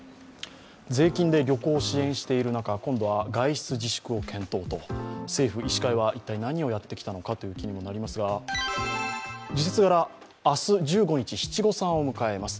税金で旅行を支援している中、今度は外出自粛を検討と、政府医師会は、いったい何をやってきたのかという気にもなりますが、事実柄、明日に七五三を迎えます。